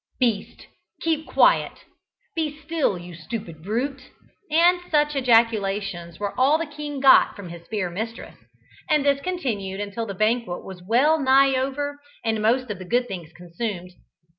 "Beast, keep quiet." "Be still, you stupid brute," and such like ejaculations were all the king got from his fair mistress, and this continued until the banquet was well nigh over, and most of the good things consumed.